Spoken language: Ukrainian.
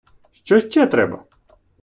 Що ще треба?